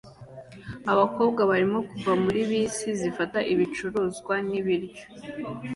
Abakobwa barimo kuva muri bisi zifata ibicuruzwa n'ibiryo